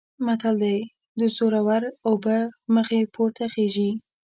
متل دی: د زورو اوبه مخ پورته خیژي.